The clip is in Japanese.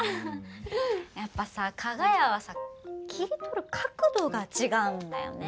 やっぱさかが屋はさ切り取る角度が違うんだよね。